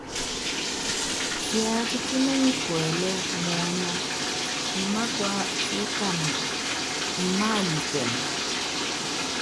Kiákí kí mɛnyikuɛlɛ, muɔnɔ́, ima̰kúa kiptama ímalikɛ́n.